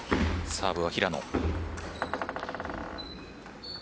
サーブは平野。